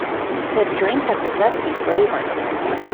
The drink has a zesty flavour.